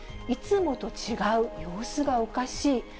いつもと違う、様子がおかしい。